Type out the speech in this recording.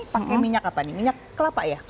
bayi atau anak nih pakai minyak apa nih minyak kelapa ya